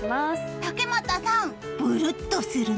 竹俣さん、ぶるっとするね。